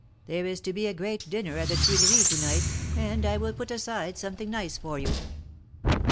There is to be a great dinner at the Tuileries to night, and I will put aside something nice for you."